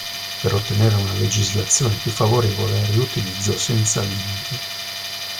Per ottenere una legislazione più favorevole al riutilizzo senza limiti.